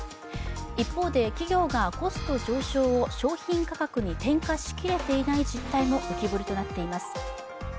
一方で、企業がコスト上昇を商品価格に転嫁しきれていない実態も浮き彫りとなっています。